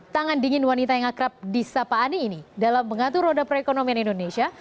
tangan dingin wanita yang akrab di sapa ani ini dalam mengatur roda perekonomian indonesia